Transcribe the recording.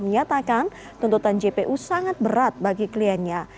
menyatakan tuntutan jpu sangat berat bagi kliennya